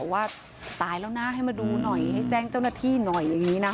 ว่าตายแล้วนะให้มาดูหน่อยให้แจ้งเจ้าหน้าที่หน่อยอย่างนี้นะ